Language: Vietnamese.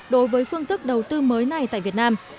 đối với phương thức đầu tư mới này tại việt nam